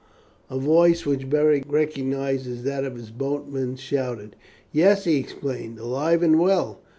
a voice, which Beric recognized as that of his boatman, shouted. "Yes," he exclaimed, "alive and well.